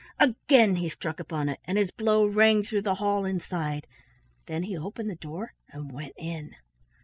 Again he struck upon it, and his blow rang through the hall inside; then he opened the door and went in.